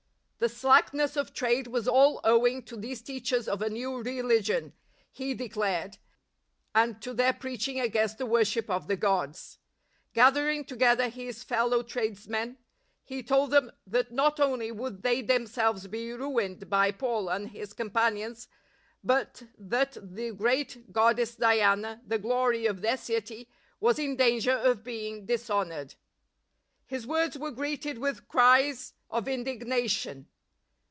The slackness of trade was all owing to these teachers of a new religion, he declared, and to their preaching against the worship of the gods. Gathering together his fellow tradesmen, he told them that not only would they them selves be ruined by Paul and his companions, but that the great goddess Diana, the glory of their city, was in danger of being dishonoured. His words were greeted with cries of indig nation.